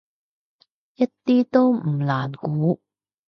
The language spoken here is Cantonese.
一啲都唔難估